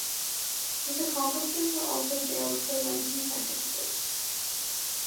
His accomplices were also jailed for lengthy sentences.